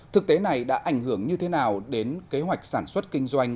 thực tế này đã ảnh hưởng như thế nào đến kế hoạch sản xuất kinh doanh